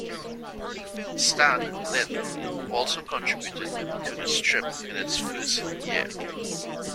Stan Lynde also contributed to the strip in its first year.